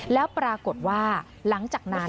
แล้วปรากฏว่าหลังจากนั้น